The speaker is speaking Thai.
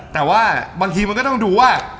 แต่ว่าบางทีมันก็ต้องดูว่า